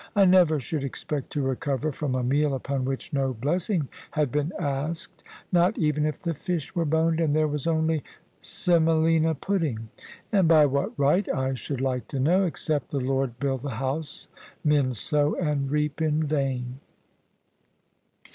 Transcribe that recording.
I never should expect to recover from a meal upon which no bless ing had been asked, not even if the fish were boned and there was only semolina pudding. And by what right, I should like to know? Except the Lord build the house, men sow and reap in vain."